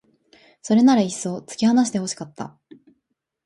それならいっそう突き放して欲しかった